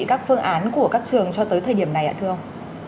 các phương án của các trường cho tới thời điểm này ạ thưa ông